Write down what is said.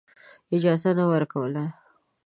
اجازه نه ورکوله.